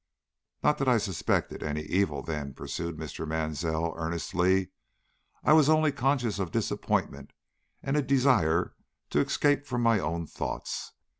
"Not that I suspected any evil then," pursued Mr. Mansell, earnestly. "I was only conscious of disappointment and a desire to escape from my own thoughts.